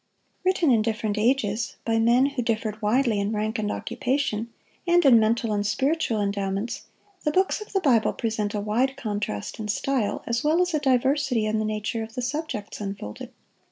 Written in different ages, by men who differed widely in rank and occupation, and in mental and spiritual endowments, the books of the Bible present a wide contrast in style, as well as a diversity in the nature of the subjects unfolded.